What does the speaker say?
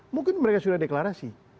mungkin mereka sudah deklarasi